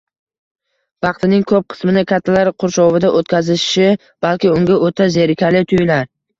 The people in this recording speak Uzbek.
vaqtining ko‘p qismini kattalar qurshovida o‘tkazishi balki unga o‘ta zerikarli tuyular.